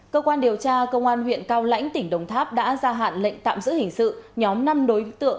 cơ quan điều tra công an huyện cao lãnh tỉnh đồng tháp đã ra hạn lệnh tạm giữ hình sự nhóm năm đối tượng